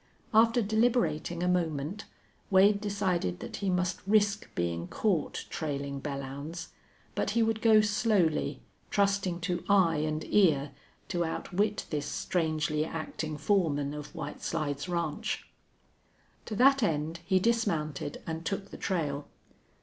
After deliberating a moment, Wade decided that he must risk being caught trailing Belllounds. But he would go slowly, trusting to eye and ear, to outwit this strangely acting foreman of White Slides Ranch. To that end he dismounted and took the trail.